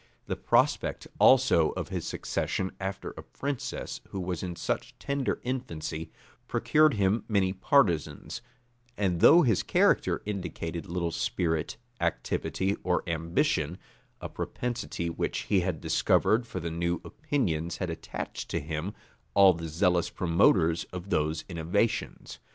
The prospect also of his succession after a princess who was in such tender infancy, procured him many partisans; and though his character indicated little spirit, activity, or ambition, a propensity which he had discovered for the new opinions had attached to him all the zealous promoters of those innovations.